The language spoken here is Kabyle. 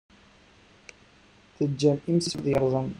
Teǧǧam imsismeḍ yerẓem.